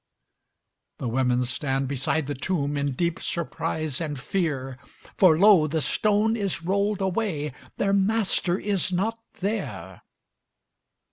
The women stand beside the tomb In deep surprise and fear; For lo! the stone is rolled away Their Master is not there.